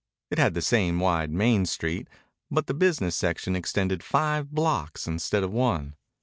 It had the same wide main street, but the business section extended five blocks instead of one.